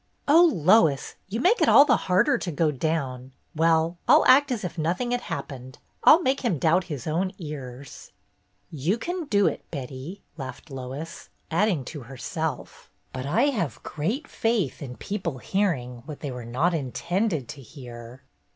" Oh, Lois, you make it all the harder to go down. Well, I'll act as if nothing had hap pened. I 'll make him doubt his own ears !" "You can do it, Betty," laughed Lois, add ing to herself: "But I have great faith in people hearing what they were not intended to hear